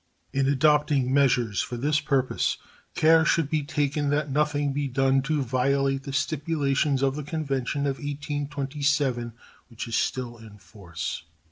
In adopting measures for this purpose care should be taken that nothing be done to violate the stipulations of the convention of 1827, which is still in force.